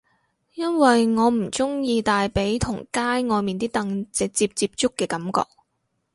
因為我唔鍾意大髀同街外面啲凳直接接觸嘅感覺